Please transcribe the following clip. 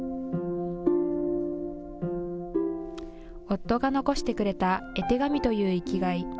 夫が残してくれた絵手紙という生きがい。